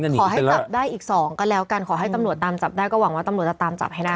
ขอให้จับได้อีก๒ก็แล้วกันขอให้ตำรวจตามจับได้ก็หวังว่าตำรวจจะตามจับให้ได้